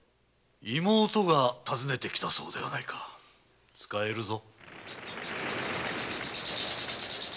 妹が訪ねてきたそうではないか使えるぞ。